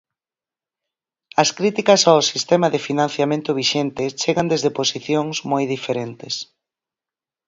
As críticas ao sistema de financiamento vixente chegan desde posicións moi diferentes.